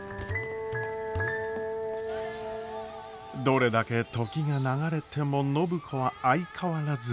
どれだけ時が流れても暢子は相変わらず。